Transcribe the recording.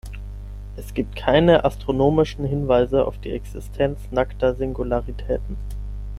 Es gibt keine astronomischen Hinweise auf die Existenz nackter Singularitäten.